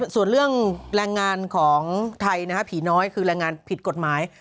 ส่วนเรื่องแรงงานของไทยผีน้อยคือแรงงานผิดกฎหมาย